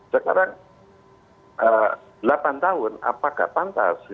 sekarang delapan tahun apakah pantas